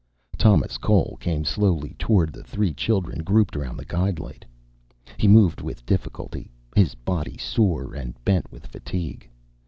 Thomas Cole came slowly toward the three children grouped around the guide light. He moved with difficulty, his body sore and bent with fatigue.